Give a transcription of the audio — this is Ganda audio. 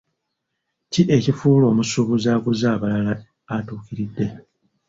Ki ekifuula omusuubuzi aguza abalala atuukiridde?